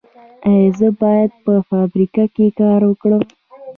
ایا زه باید په فابریکه کې کار وکړم؟